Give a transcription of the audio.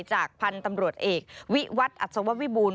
จากพันธุ์ตำรวจเอกวิวัตรอัศววิบูรณ